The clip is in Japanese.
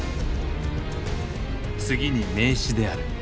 次に名刺である。